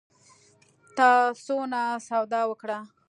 تا څونه سودا وکړه؟